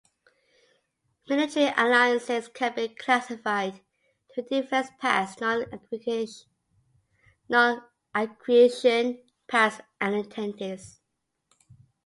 Military alliances can be classified to defense pacts, non-aggression pacts and ententes.